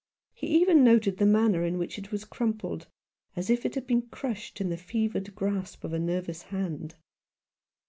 He even noted the manner in which it was crumpled, as if it had been crushed in the fevered grasp of a nervous hand.